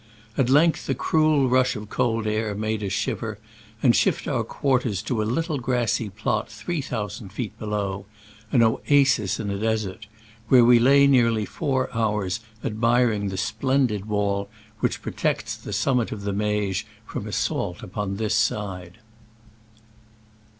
At length a cruel rush of cold air made us shiver, and shift our quarters to a little grassy plot three thousand feet below — an oasis in a desert — ^where we lay nearly four hours admiring the splendid wall which pro tects the summit of the Meije from as sault upon this side.